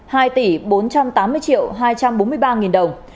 hai tỷ bốn trăm tám mươi triệu hai trăm bốn mươi ba nghìn đồng